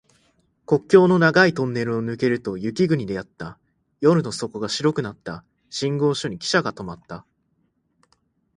国境の長いトンネルを抜けると雪国であった。夜の底が白くなった。信号所にきしゃが止まった。